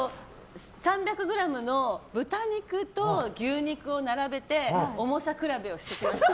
３００ｇの豚肉と牛肉を並べて重さ比べをしてきました。